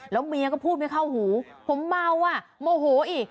แล้วเมียก็พูดไม่เข้าหูผมเมาอ่ะโมโหอีก